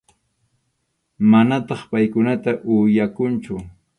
Manataq paykunata uyakunchu.